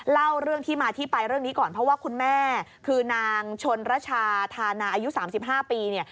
เล่าเรื่องที่มาที่ไปเรื่องนี้ก่อนเพราะว่าคุณแม่คือนางชนรชาธานาอายุ๓๕ปีเนี่ย